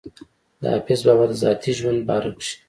د حافظ بابا د ذاتي ژوند باره کښې